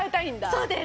そうです。